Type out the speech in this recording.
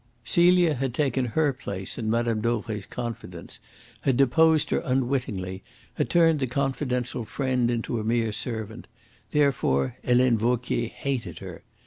Celia had taken her place in Mme. Dauvray's confidence, had deposed her unwittingly, had turned the confidential friend into a mere servant; therefore Helene Vauquier hated her.